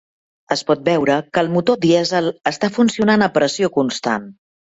Es pot veure que el motor dièsel està funcionant a pressió constant.